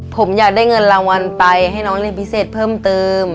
ผมอยากได้เงินรางวัลไปให้น้องเรียนพิเศษเพิ่มเติม